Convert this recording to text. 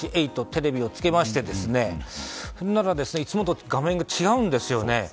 テレビをつけましてその中でいつもと画面が違うんですよね。